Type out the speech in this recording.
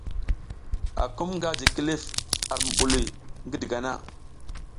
Akum nga ji kilif ar mubuliy ngi digana.